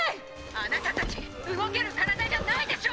あなたたち動ける体じゃないでしょ！